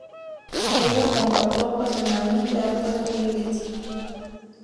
Ello comportó ocasionalmente actos de violencia.